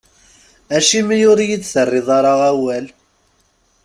Acimi ur iyi-d-terriḍ ara awal?